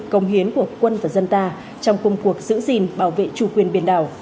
công hiến của quân và dân ta trong công cuộc giữ gìn bảo vệ chủ quyền biển đảo